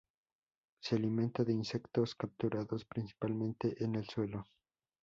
Se alimenta de insectos, capturados principalmente en el suelo.